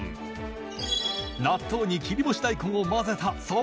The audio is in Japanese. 納豆に切り干し大根を混ぜたそぼろ納豆。